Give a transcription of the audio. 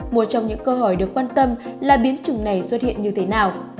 một trong những câu hỏi được quan tâm là biến chủng này xuất hiện như thế nào